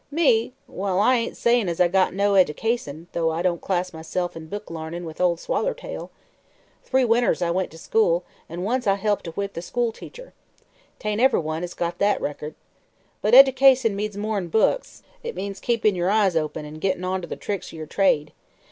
"Me? Well, I ain't sayin' as I got no eddication, though I don't class myself in book l'arnin' with Ol' Swallertail. Three winters I went to school, an' once I helped whip the school teacher. Tain't ev'ry one has got that record. But eddication means more'n books; it means keepin' yer eyes open an' gitt'n' onter the tricks o' yer trade.